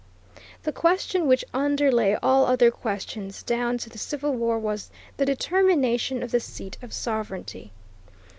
The question which underlay all other questions, down to the Civil War, was the determination of the seat of sovereignty.